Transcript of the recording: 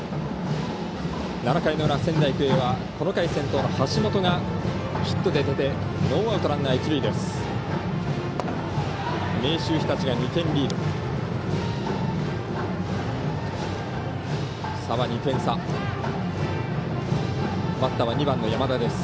７回裏、仙台育英はこの回先頭の橋本がヒットで出てノーアウト、ランナー、一塁です。